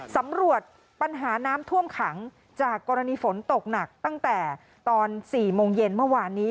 สำรวจปัญหาน้ำท่วมขังจากกรณีฝนตกหนักตั้งแต่ตอน๔โมงเย็นเมื่อวานนี้